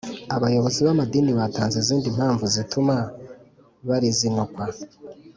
abayobozi b amadini batanze Izindi mpamvu zituma barizinukwa